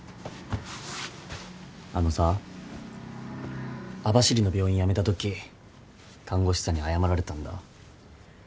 あのさ網走の病院辞めたとき看護師さんに謝られたんだ。